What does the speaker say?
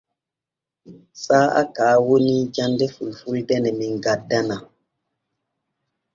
Saa'a ka woni jande fulfulde ne men gaddanaa.